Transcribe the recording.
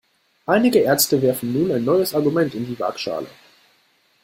Einige Ärzte werfen nun ein neues Argument in die Waagschale.